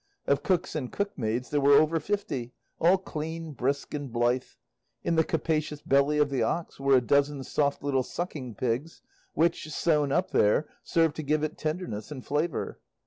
Of cooks and cook maids there were over fifty, all clean, brisk, and blithe. In the capacious belly of the ox were a dozen soft little sucking pigs, which, sewn up there, served to give it tenderness and flavour.